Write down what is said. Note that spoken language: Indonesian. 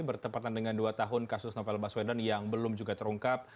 bertempatan dengan dua tahun kasus novel baswedan yang belum juga terungkap